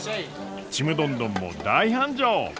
ちむどんどんも大繁盛！